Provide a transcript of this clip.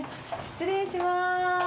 失礼します。